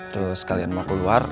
terus kalian mau keluar